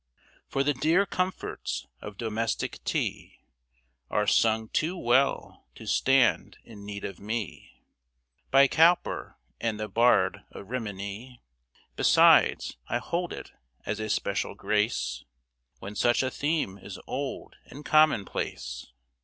... For the dear comforts of domestic tea Are sung too well to stand in need of me By Cowper and the Bard of Rimini; Besides, I hold it as a special grace When such a theme is old and commonplace.